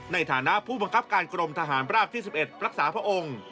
ในฐานะผู้บังคับการกรมทหารราบที่๑๑รักษาพระองค์